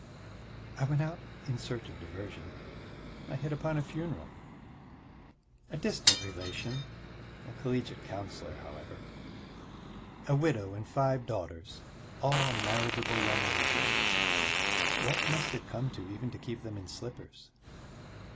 I went out in search of diversion, I hit upon a funeral. A distant relation a collegiate counsellor, however. A widow and five daughters, all marriageable young ladies. What must it come to even to keep them in slippers.